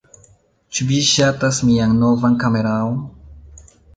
Ĉu vi ŝatas mian novan kameraon?